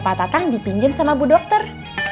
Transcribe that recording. pak tatang dipinjam sama bu dokter